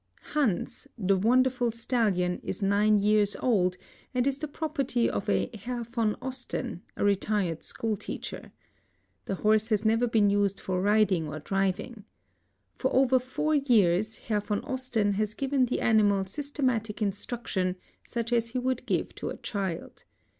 JHans, the wonderful stallion. Is nine years old and Is the property of a Herr von Os ten, a retired school teacher. The horse has neyer been used for riding or driving. For Over four /ears Herr von Osten has given the animal systematic instruction such as he would^give to a 'child.